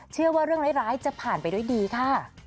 เชื่อว่าเรื่องร้ายจะผ่านไปด้วยดีค่ะ